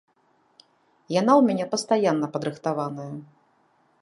Яна ў мяне пастаянна падрыхтаваная.